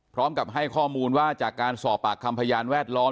พร้อมกับให้ข้อมูลว่าจากการสอบปากคำพยานแวดล้อม